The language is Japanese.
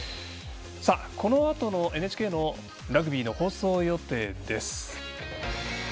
このあとのＮＨＫのラグビーの放送予定です。